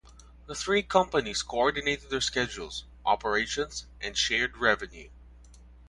The three companies coordinated their schedules, operations, and shared revenue.